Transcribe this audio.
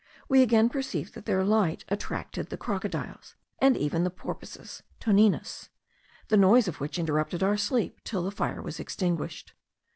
We again perceived that their light attracted the crocodiles, and even the porpoises (toninas), the noise of which interrupted our sleep, till the fire was extinguished.